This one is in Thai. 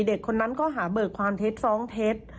เด็กคนนั้นก็หาเบิกความเท็จฟ้องเท็จ